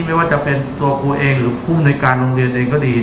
ไม่ว่าจะเป็นตัวกลัวเองหรือคุ้มในการโรงเรียนเองก็ดีเนี่ย